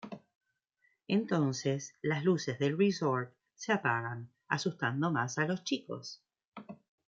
Entonces, las luces del resort se apagan, asustando más a los chicos.